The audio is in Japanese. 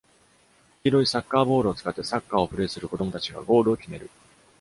黄色いサッカーボールを使ってサッカーをプレーする子どもたちがゴールを決める。